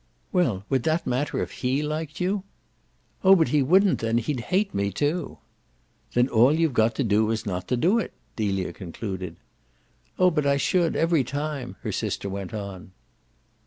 "Well, what would that matter if HE liked you?" "Oh but he wouldn't then! He'd hate me too." "Then all you've got to do is not to do it," Delia concluded. "Oh but I should every time," her sister went on.